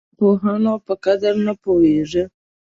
خپلو پوهانو په قدر نه پوهېږي.